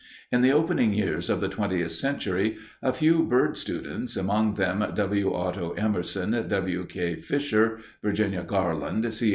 In the opening years of the twentieth century, a few bird students, among them W. Otto Emerson, W. K. Fisher, Virginia Garland, C.